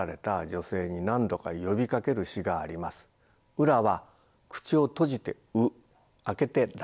「うら」は口を閉じて「う」開けて「ら」。